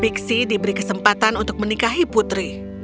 fiksi diberi kesempatan untuk menikahi putri